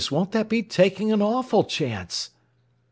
won't that be taking an awful chance?"